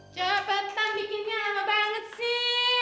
cepetan bikinnya lama banget sih